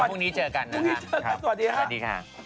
โปรดติดตามตอนต่อไป